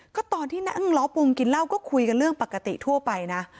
ก็ตอนที่นั่งล้อปวงกินเหล้าก็คุยกันเรื่องปกติทั่วไปนะ